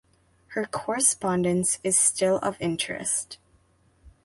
Her correspondence is still of interest.